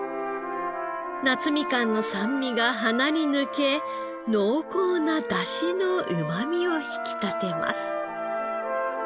夏みかんの酸味が鼻に抜け濃厚な出汁のうまみを引き立てます。